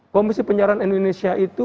komisi penyiaran indonesia itu